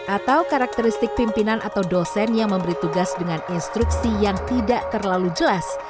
atau karakteristik pimpinan atau dosen yang memberi tugas dengan instruksi yang tidak terlalu jelas